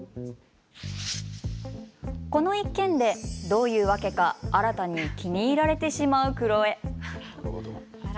この一件で、どういうわけか新汰に気に入られてしまうクロエ。